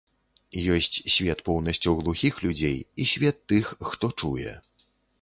Ёсць свет поўнасцю глухіх людзей і свет тых, хто чуе.